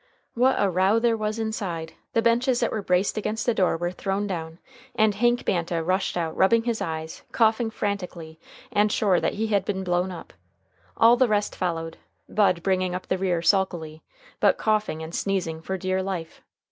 What a row there was inside! The benches that were braced against the door were thrown down, and Hank Banta rushed out, rubbing his eyes, coughing frantically, and sure that he had been blown up. All the rest followed, Bud bringing up the rear sulkily, but coughing and sneezing for dear life.